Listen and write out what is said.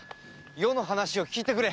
余の話を聞いてくれ。